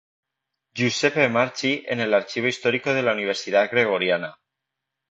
Giuseppe Marchi en el Archivo Histórico de la Universidad Gregoriana